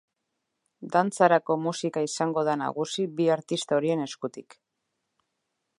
Dantzarako musika izango da nagusi bi artista horien eskutik.